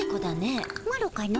マロかの？